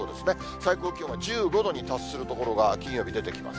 最高気温が１５度に達するところが金曜日、出てきます。